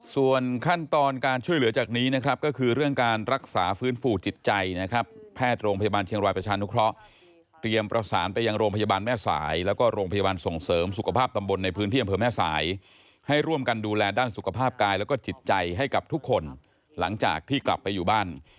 ส่วนขั้นตอนการช่วยเหลือจากนี้นะครับก็คือเรื่องการรักษาฟื้นฟูจิตใจนะครับแพทย์โรงพยาบาลเชียงรายประชานุเคราะห์เตรียมประสานไปยังโรงพยาบาลแม่สายแล้วก็โรงพยาบาลส่งเสริมสุขภาพตำบลในพื้นที่อำเภอแม่สายให้ร่วมกันดูแลด้านสุขภาพกายแล้วก็จิตใจให้กับทุกคนหลังจากที่กลับไปอยู่บ้าน